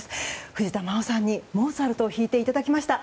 藤田真央さんにモーツァルトを弾いていただきました。